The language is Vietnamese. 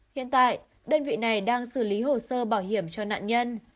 hiện tại đơn vị này đang xử lý hồ sơ bảo hiểm cho nạn nhân